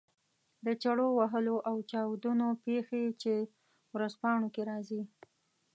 د چړو وهلو او چاودنو پېښې چې ورځپاڼو کې راځي.